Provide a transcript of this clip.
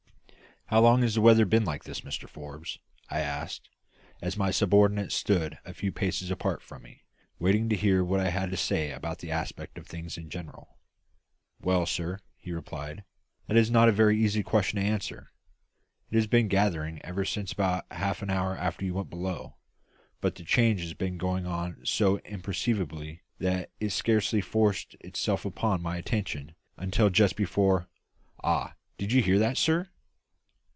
"How long has the weather been like this, Mr Forbes?" I asked, as my subordinate stood a few paces apart from me, waiting to hear what I had to say about the aspect of things in general. "Well, sir," he replied, "that is not a very easy question to answer. It has been gathering ever since about half an hour after you went below; but the change has been going on so imperceptibly that it scarcely forced itself upon my attention until just before Ah! did you hear that, sir?"